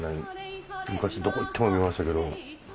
昔どこ行っても見ましたけど。